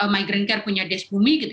migrant care punya desa bumi